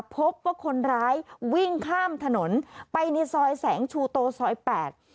พบว่าคนร้ายวิ่งข้ามถนนไปในซอยแสงชูโตซอยแปด